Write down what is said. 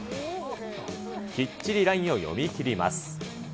きっちりラインを読み切ります。